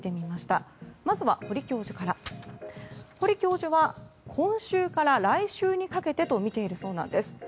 まずは堀教授は今週から来週にかけてとみているそうです。